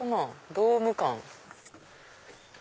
ドーム感。